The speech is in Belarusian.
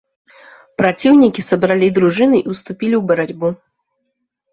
Праціўнікі сабралі дружыны і ўступілі ў барацьбу.